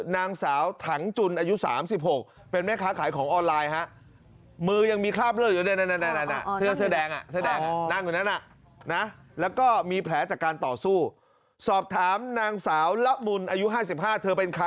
นางสาวถังจุนอายุ๓๖เป็นแม่ค้าขายของออนไลน์ฮะ